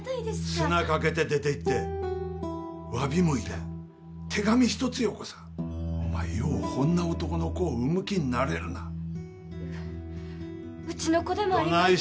砂かけて出て行って詫びも入れん手紙一つよこさんお前ようほんな男の子を産む気になれるなうちの子でもあります